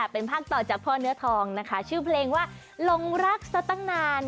ต้องเอาเพลงนี้ไปเล่นเสร็จแล้ว